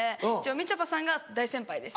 みちょぱさんが大先輩です。